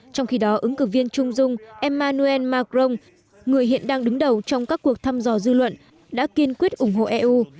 trong khi đó ứng cử viên trung dung emmanuel macron người hiện đang đứng đầu trong các cuộc thăm dò dư luận đã kiên quyết ủng hộ eu